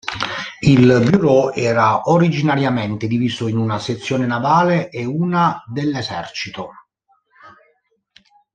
Il Bureau era originariamente diviso in una sezione navale e una dell'esercito.